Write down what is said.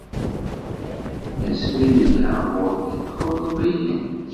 Asmi i nedheɣ ɣur-k, tqebleḍ-iyi-d.